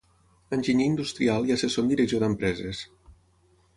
Enginyer industrial i assessor en direcció d'empreses.